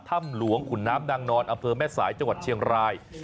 ถ้ำหลวงขุนน้ำนางนอนอำเภอแม่สายจังหวัดเชียงราย